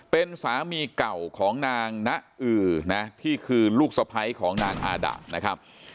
เป็นสามีเก่าของนางนะอือนะที่คือลูกสะพ้ายของนางอาดะนะครับ